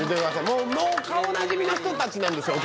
もう顔なじみの人達なんですよ